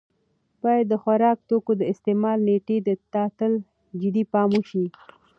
باید د خوراکي توکو د استعمال نېټې ته تل جدي پام وشي.